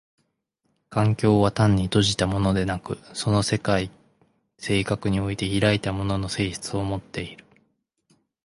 環境は単に閉じたものでなく、その世界性格において開いたものの性質をもっている。